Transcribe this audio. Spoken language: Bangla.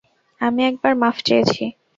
আমি একবার মাফ চেয়েছি।